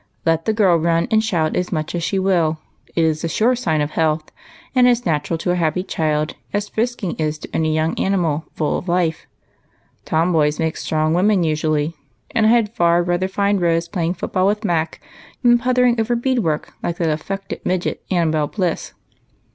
" Let the girl run and shout as much as she will, — it is a sure sign of health, and as natural to a happy child as frisking is to any young animal full of life. Tomboys 7* 154 EIGHT COUSINS. make strong women usually, and I had far rather find Rose playing foot ball with Mac than puttering over bead work like that affected midget, Ariadne Blish."